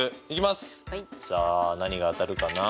さあ何が当たるかな。